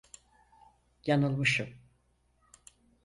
Yanılmışım.